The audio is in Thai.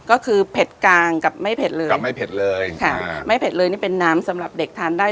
ก็คือเผ็ดกลางกับไม่เผ็ดเลยกับไม่เผ็ดเลยค่ะไม่เผ็ดเลยนี่เป็นน้ำสำหรับเด็กทานได้